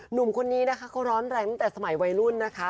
หนุ่มคนนี้นะคะเขาร้อนแรงตั้งแต่สมัยวัยรุ่นนะคะ